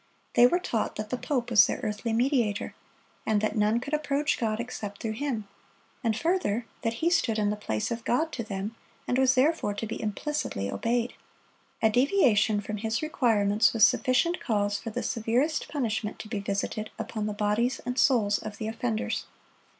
They were taught that the pope was their earthly mediator, and that none could approach God except through him; and further, that he stood in the place of God to them, and was therefore to be implicitly obeyed. A deviation from his requirements was sufficient cause for the severest punishment to be visited upon the bodies and souls of the offenders.